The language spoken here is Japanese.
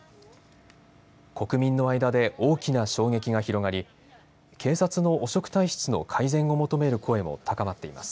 国民の間で大きな衝撃が広がり、警察の汚職体質の改善を求める声も高まっています。